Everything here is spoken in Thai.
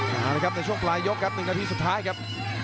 มาเลยครับในช่วงปลายยกครับ๑นาทีสุดท้ายครับ